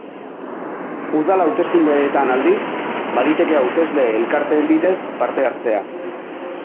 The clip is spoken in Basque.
Udal hauteskundeetan, aldiz, baliteke hautesle elkarteen bidez parte hartzea.